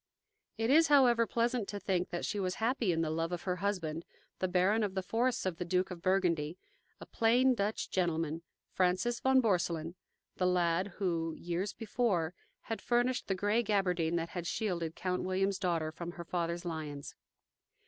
It is, however, pleasant to think that she was happy in the love of her husband, the baron of the forests of the Duke of Burgundy, a plain Dutch gentleman, Francis von Borselen, the lad who, years before, had furnished the gray gabardine that had shielded Count William's daughter from her father's lions.